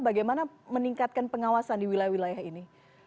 bagaimana meningkatkan pengawasan di wilayah wilayah ini